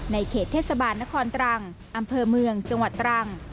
เขตเทศบาลนครตรังอำเภอเมืองจังหวัดตรัง